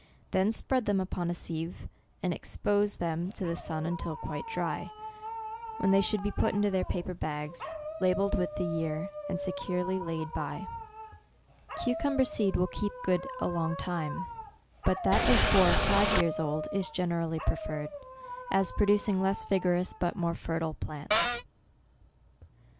Then spread them upon a seive, and expose them to the sun until quite dry, when they should be put into paper bags, labelled with the year, and securely laid by. Cucumber seed will keep good a long time ; but that of four or five years old is generally preferred, as producing less vigor ous, but more fertile plants. 18B OCTOBER.